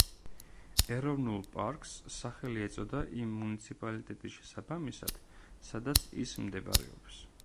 ეროვნულ პარკს სახელი ეწოდა იმ მუნიციპალიტეტის შესაბამისად, სადაც ის მდებარეობს.